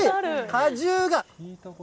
果汁が。